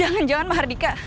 astaga jangan jangan mahardika